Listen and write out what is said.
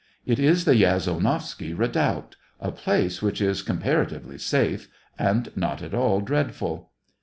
It is the Yazonovsky redoubt — a place which is comparatively safe, and not at all dreadful.